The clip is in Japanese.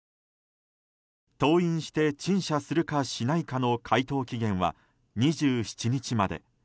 登院して陳謝するかしないかの回答期限は２７日まで。